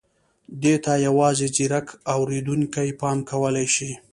دې ته یوازې ځيرک اورېدونکي پام کولای شي.